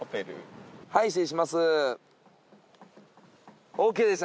はい失礼します。